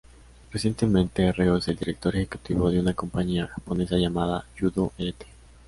Recientemente, Reo es el director ejecutivo de una compañía japonesa llamada "Yudo Ltd.